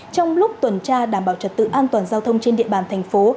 trong lúc tuần tra đảm bảo trật tự an toàn giao thông trên địa bàn thành phố